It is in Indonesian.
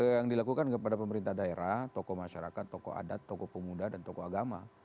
yang dilakukan kepada pemerintah daerah tokoh masyarakat tokoh adat tokoh pemuda dan tokoh agama